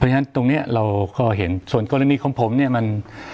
เพราะฉะนั้นตรงนี้เราก็เห็นส่วนกรณีของผมเนี่ยมัน